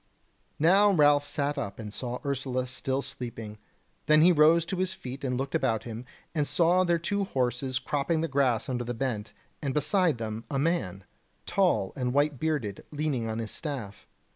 Now Ralph sat up and saw Ursula still sleeping; then he rose to his feet and looked about him, and saw their two horses cropping the grass under the bent, and beside them a man, tall and white bearded, leaning on his staff.